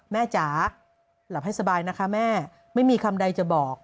จ๋าหลับให้สบายนะคะแม่ไม่มีคำใดจะบอก